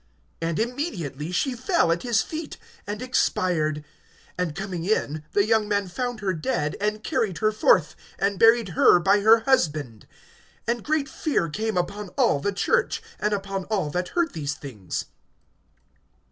(10)And immediately she fell at his feet, and expired; and coming in, the young men found her dead, and carried her forth, and buried her by her husband. (11)And great fear came upon all the church, and upon all that heard these things.